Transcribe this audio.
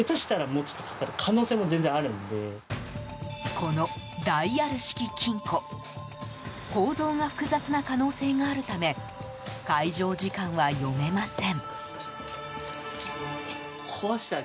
このダイヤル式金庫構造が複雑な可能性があるため開錠時間は読めません。